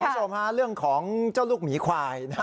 คุณผู้ชมฮะเรื่องของเจ้าลูกหมีควายนะฮะ